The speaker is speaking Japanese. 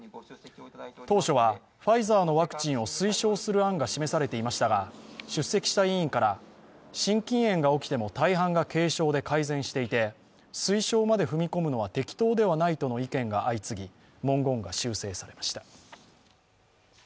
当初はファイザーのワクチンを推奨する案が示されていましたが出席した委員から、心筋炎が起きても大半が軽症で改善していて推奨まで踏み込むのは適当ではないとの意見が相次ぎ文言が修正されました。